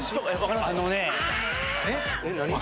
あのね。